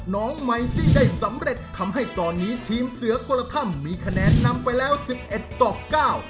น้องไมตี้ได้สำเร็จทำให้ตอนนี้ทีมเสือคนละถ้ำมีคะแนนนำไปแล้วสิบเอ็ดต่อเก้า